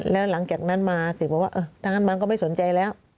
แล้วหลังจากนั้นมาเสกบอกว่าถ้างั้นมันก็ไม่สนใจแล้ว